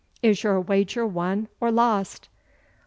is your wager won or lost?"